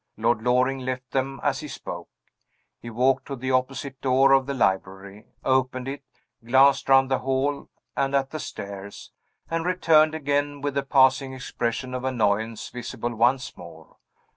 Lord Loring left them as he spoke. He walked to the opposite door of the library opened it glanced round the hall, and at the stairs and returned again, with the passing expression of annoyance visible once more.